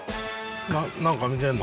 何か見てんの？